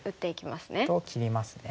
と切りますね。